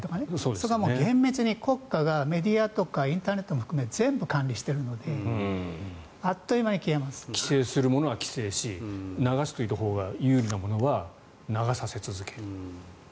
そこは厳密に国家がメディアとかインターネットも含めて全部管理しているので規制するものは規制し流しておいたほうが有利なものは流させ続ける。